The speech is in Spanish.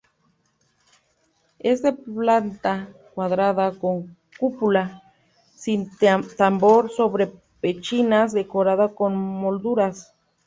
Es de planta cuadrada con cúpula sin tambor sobre pechinas, decorada con molduras.